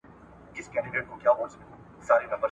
زه لکه سیوری ځمه !.